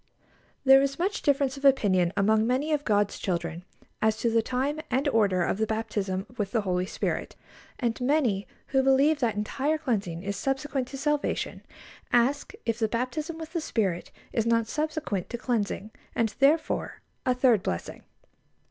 There is much difference of opinion among many of God's children as to the time and order of the baptism with the Holy Spirit, and many who believe that entire cleansing is subsequent to salvation, ask if the baptism with the Spirit is not subsequent to cleansing, and, therefore, a third blessing.